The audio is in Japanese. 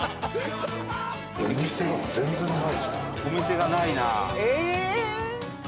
お店がないな。